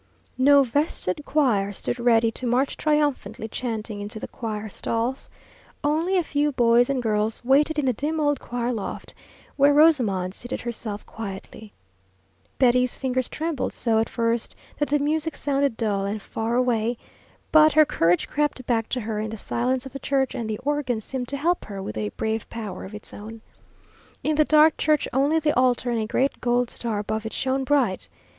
No vested choir stood ready to march triumphantly chanting into the choir stalls. Only a few boys and girls waited in the dim old choir loft, where Rosamond seated herself quietly. Betty's fingers trembled so at first that the music sounded dull and far away; but her courage crept back to her in the silence of the church, and the organ seemed to help her with a brave power of its own. In the dark church only the altar and a great gold star above it shone bright.